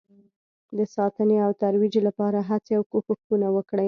د ساتنې او ترویج لپاره هڅې او کوښښونه وکړئ